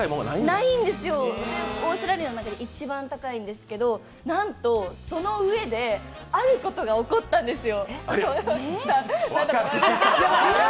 オーストラリアの中で一番高いんですけど、なんとその上で、あることが起こったんですよ。